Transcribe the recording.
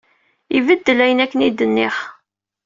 Ibeddel ayen akken ay d-nniɣ.